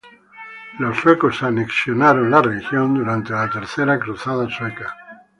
Los suecos anexaron la región durante La tercera cruzada sueca.